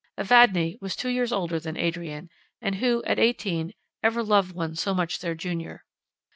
Evadne was two years older than Adrian; and who, at eighteen, ever loved one so much their junior?